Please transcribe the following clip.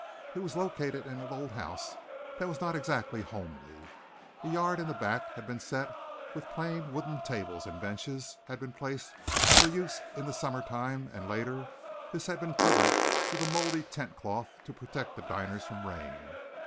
It was located in an old house that was not exactly homely. A yard in the back had been set with plain wooden tables, and benches had been placed for use in the summer time and, later, this had been covered with a mouldy tent cloth to protect the diners from rain.